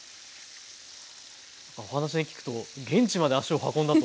お話に聞くと現地まで足を運んだと。